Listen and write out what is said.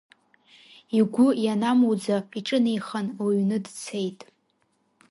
Игәы ианамуӡа, иҿынеихан, лыҩны дцеит.